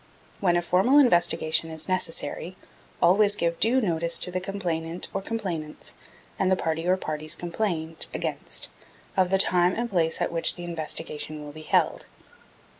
When a formal investigation is necessary, always give due notice to the complainant or complainants, and the party or parties complained against, of the time and place at which the investigation will be held.